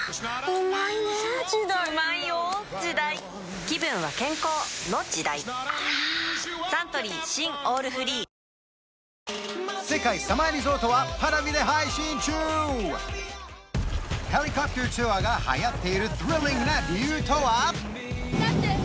ぷはぁサントリー新「オールフリー」ヘリコプターツアーがはやっているスリリングな理由とは？